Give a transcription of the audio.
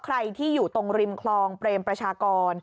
ใครที่อยู่ตรงริมคลองเปรมประชากร